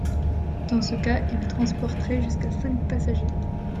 Dans ce cas ils transportaient jusqu'à cinq passagers.